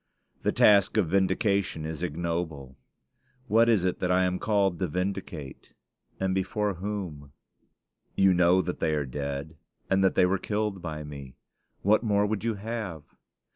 The task of vindication is ignoble. What is it that I am called to vindicate? and before whom? You know that they are dead, and that they were killed by me. What more would you have?